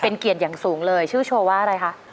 เป็นเกียรติอย่างสูงเลยชื่อโชว์ว่าอะไรคะ